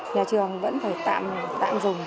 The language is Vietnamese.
nhà trường vẫn phải tạm dùng